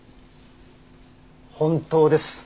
本当です。